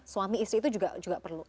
suami istri itu juga perlu